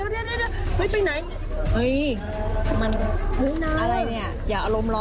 วิทยาลัยศาสตร์อัศวิทยาลัยศาสตร์